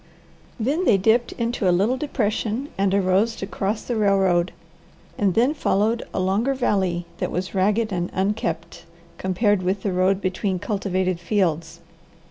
Then they dipped into a little depression and arose to cross the railroad and then followed a longer valley that was ragged and unkempt compared with the road between cultivated fields.